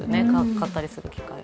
買ったりする機会が。